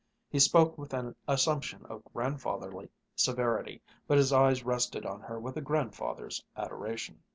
He spoke with an assumption of grandfatherly severity, but his eyes rested on her with a grandfather's adoration.